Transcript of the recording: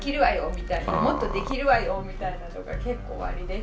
みたいな「もっとできるわよ」みたいなのが結構おありでしたよね。